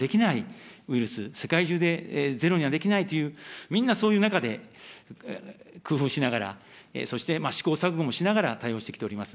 これはゼロにはできないウイルス、世界中でゼロにはできないという、みんなそういう中で、工夫をしながら、そして試行錯誤もしながら対応してきております。